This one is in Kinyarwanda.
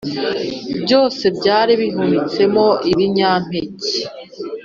byose byari bihunitsemo ibinyampeke